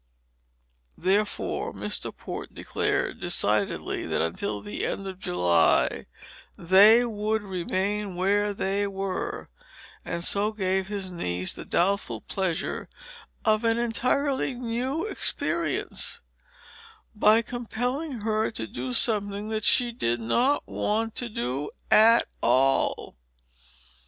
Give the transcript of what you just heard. Therefore Mr. Port declared decidedly that until the end of July they would remain where they were and so gave his niece the doubtful pleasure of an entirely new experience by compelling her to do something that she did not want to do at all.